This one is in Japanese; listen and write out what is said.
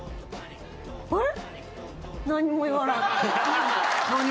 あれ？